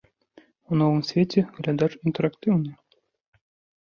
У новым свеце глядач інтэрактыўны.